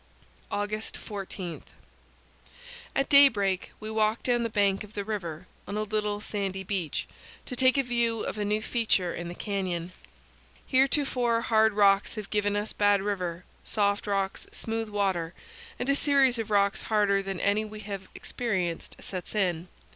August 14 At daybreak we walk down the bank of the river, on a little sandy beach, to take a view of a new feature in the canyon. Heretofore hard rocks have given us bad river; soft rocks, smooth water; and a series of rocks harder than any we have experienced sets in.